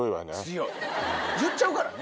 言っちゃうからね！